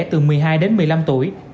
từ một mươi hai đến một mươi năm tuổi